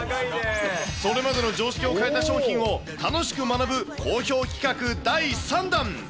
それまでの常識を変えた商品を楽しく学ぶ好評企画第３弾。